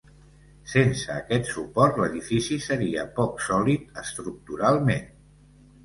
Sense aquest suport, l'edifici seria poc sòlid estructuralment.